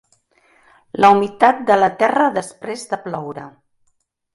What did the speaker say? La humitat de la terra després de ploure.